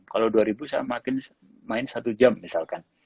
kalau dua ribu saya makin main satu jam misalkan